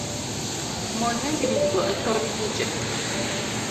Mo nengni go e tol kucha.